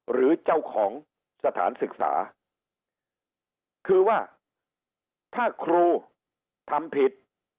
หรือเจ้าของสถานศึกษาคือว่าถ้าครูทำผิด